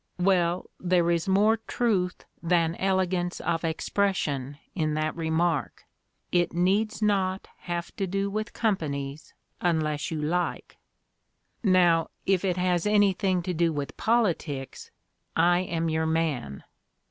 "Well, there is more truth than elegance of expression in that remark: it needs not have to do with companies unless you like." "Now, if it has anything to do with politics, I am your man."